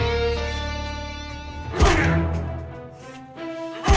orangnya masih belum lewat